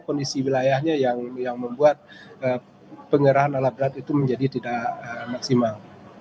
kondisi wilayahnya yang membuat pengerahan alat berat itu menjadi tidak maksimal